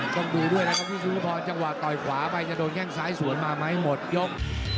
ต้องดูด้วยนะครับพี่สุริพรจังหวะต่อยขวาไปจะโดนแข้งซ้ายสวนมาไหมหมดยก